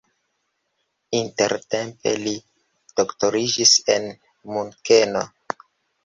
Intertempe li doktoriĝis en Munkeno.